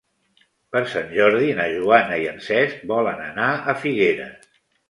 Per Sant Jordi na Joana i en Cesc volen anar a Figueres.